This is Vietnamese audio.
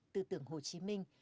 tư tưởng hồ chí minh